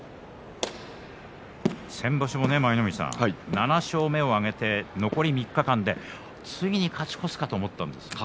先場所も７勝目を挙げて残り３日間でついに勝ち越すかと思ったんですけど。